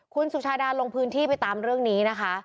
คุณสุชาดาลงพื้นที่ไปตามเรื่องนี้นะคะ